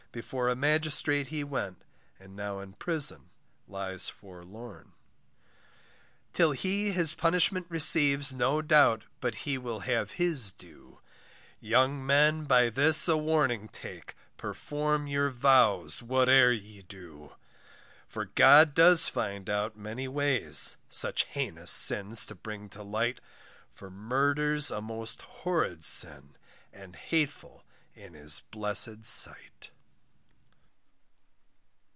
Before a magistrate he went, And now in prison lies forlorn. Till he his punishment receives, No doubt but he will have his due; Young men by this a warning take, Perform your vows whate'er ye do. For God does find out many ways, Such heinous sins to bring to light, For murder's a most horrid sin, And hateful in his blessed sight.